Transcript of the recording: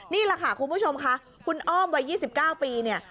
นี่แหละค่ะคุณผู้ชมค่ะคุณอ้อมวัย๒๙ปีเนี่ย